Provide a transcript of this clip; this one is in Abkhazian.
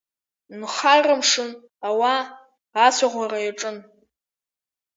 Нхарамшын, ауаа ацәаӷәара иаҿын.